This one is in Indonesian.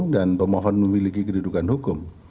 dan pemohon memiliki kedudukan hukum